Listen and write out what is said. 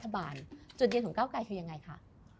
จุดยืนของพักเก้าไกรคือยังไงคะ